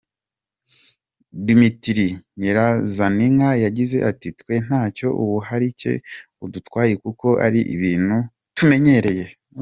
Domitira Nyirazaninka yagize ati “Twe ntacyo ubuharike budutwaye kuko ari ibintu tumenyereye”.